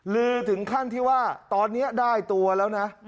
ลือถึงขั้นที่ว่าตอนนี้ได้ตัวแล้วนะ